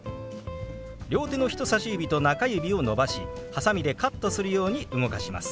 両手の人さし指と中指を伸ばしはさみでカットするように動かします。